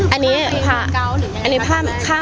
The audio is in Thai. อันนี้คือข้ามไปมาเกาะหรือไงครับ